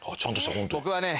僕はね